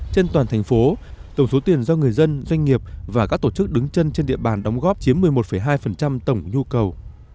trên toàn thành phố tổng số tiền do người dân doanh nghiệp và các tổ chức đứng chân trên địa bàn đóng góp chiếm một mươi một hai tổng nhu cầu